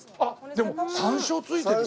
でも山椒付いてるよ！